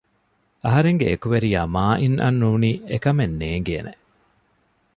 އަހަރެންގެ އެކުވެރިޔާ މާއިން އަށް ނޫނީ އެކަމެއް ނޭނގޭނެ